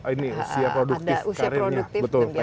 ini usia produktif karirnya